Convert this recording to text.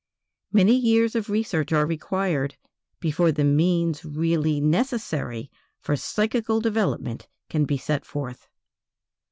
Many years of research are required, before the means really necessary for psychical development can be set forth.